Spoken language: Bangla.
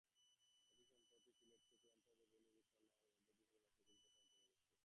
অতিসম্প্রতি সিলেটকে চূড়ান্তভাবে ভেন্যু ঘোষণার মধ্য দিয়ে সিলেটবাসীর বুক ধড়ফড়ানি থেমে গেছে।